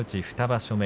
２場所目。